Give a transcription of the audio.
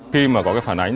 khi mà có cái phản ánh